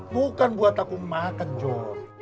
bukan buat aku makan jo